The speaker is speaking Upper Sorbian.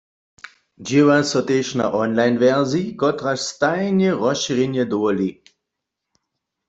Dźěła so tež na online-wersiji, kotraž stajne rozšěrjenje dowoli.